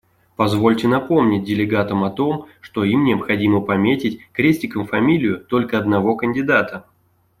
Позвольте напомнить делегатам о том, что им необходимо пометить крестиком фамилию только одного кандидата.